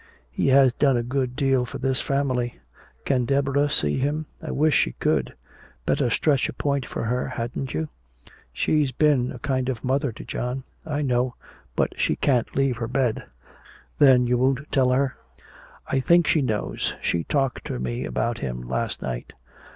"He has done a good deal for this family! Can Deborah see him?" "I wish she could." "Better stretch a point for her, hadn't you? She's been a kind of a mother to John." "I know. But she can't leave her bed." "Then you won't tell her?" "I think she knows. She talked to me about him last night."